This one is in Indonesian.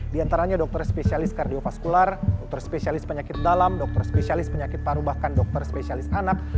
di antaranya dokter spesialis kardiofaskular dokter spesialis penyakit dalam dokter spesialis penyakit paru bahkan dokter spesialis anak